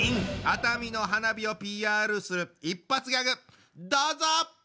熱海の花火をＰＲする一発ギャグどうぞ！